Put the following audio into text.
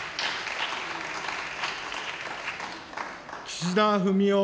岸田文雄